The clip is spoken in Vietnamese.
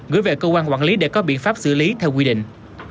gửi về cơ quan quản lý để có biện pháp xử lý theo quy định